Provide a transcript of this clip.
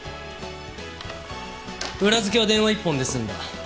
裏付けは電話一本で済んだ。